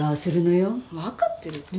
分かってるって。